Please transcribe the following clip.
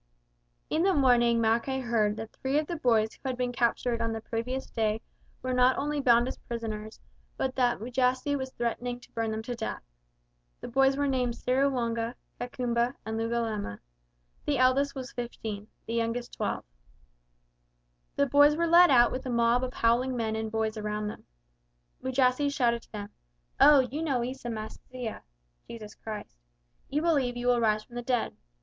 In the morning Mackay heard that three of the boys who had been captured on the previous day were not only bound as prisoners, but that Mujasi was threatening to burn them to death. The boys were named Seruwanga, Kakumba, and Lugalama. The eldest was fifteen, the youngest twelve. The boys were led out with a mob of howling men and boys around them. Mujasi shouted to them: "Oh, you know Isa Masiya (Jesus Christ). You believe you will rise from the dead.